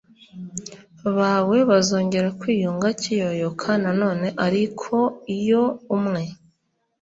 bawe bazongera kwiyunga kiyoyoka Nanone ariko iyo umwe